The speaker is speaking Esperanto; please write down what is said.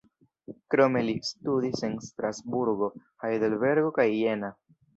Krome li studis en Strasburgo, Hajdelbergo kaj Jena.